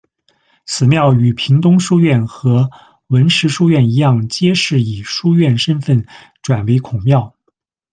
此庙与屏东书院和文石书院一样皆是以书院身分转为孔庙。